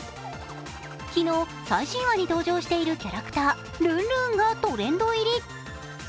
昨日、最新話に登場しているキャラクター、ルンルーンがトレンド入り。